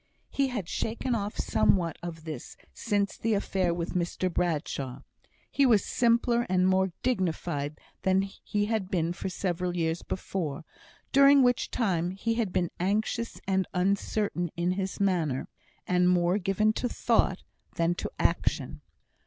He had shaken off somewhat of this since the affair with Mr Bradshaw; he was simpler and more dignified than he had been for several years before, during which time he had been anxious and uncertain in his manner, and more given to thought than to action.